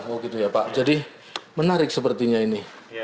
oh gitu ya pak jadi menarik sepertinya ini